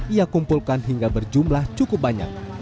ia kumpulkan hingga berjumlah cukup banyak